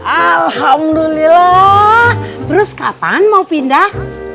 alhamdulillah terus kapan mau pindah